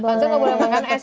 kanza nggak boleh makan es